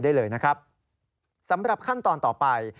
สำหรับขั้นตอนต่อไป